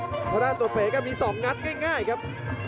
เพราะด้านตัวเป๋ก็มี๒งัดง่ายครับ